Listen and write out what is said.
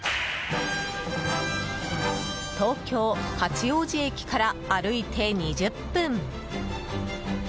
東京・八王子駅から歩いて２０分。